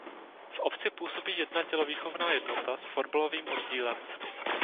V obci působí jedna tělovýchovná jednota s fotbalovým oddílem.